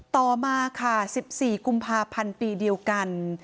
ต่อมาค่ะ๑๔กุมภาพันธ์ปีเดียวกัน